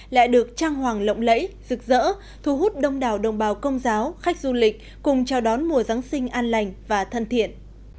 lại được trang hoàng lộng lẫy rực rỡ thu hút đông đảo đồng bào công giáo khách du lịch cùng chào đón mùa giáng sinh an lành và thân thiện